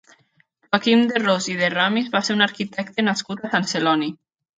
Joaquim de Ros i de Ramis va ser un arquitecte nascut a Sant Celoni.